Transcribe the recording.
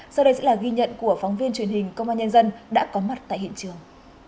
sau đây sẽ là ghi nhận của phóng viên truyền hình công an nhân dân đã có mặt tại hiện trường